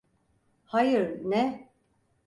Hayır, ne?